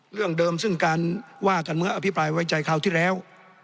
เรื่องเดิมซึ่งการว่ากันเมื่ออภิปรายไว้ใจคราวที่แล้ว